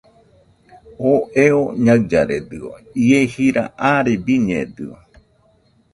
Oo eo ñaɨllaredɨio, ie jira aare biñedɨio